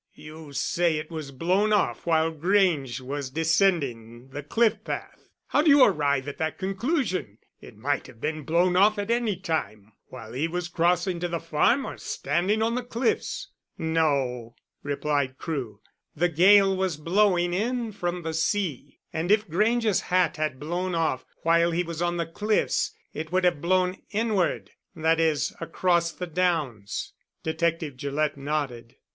You say it was blown off while Grange was descending the cliff path. How do you arrive at that conclusion? It might have been blown off at any time while he was crossing to the farm, or standing on the cliffs." "No," replied Crewe. "The gale was blowing in from the sea, and if Grange's hat had blown off while he was on the cliffs it would have blown inward that is, across the downs." Detective Gillett nodded.